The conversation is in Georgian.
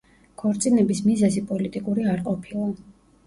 ქორწინების მიზეზი პოლიტიკური არ ყოფილა.